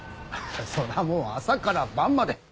そらもう朝から晩まで。